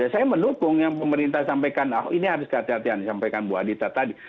saya mendukung yang pemerintah sampaikan ini harus dikatakan sampaikan bu adita tadi